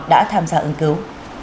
đã tham gia ứng cứu